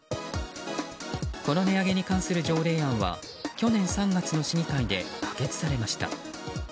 この値上げに関する条例案は去年３月の市議会で可決されました。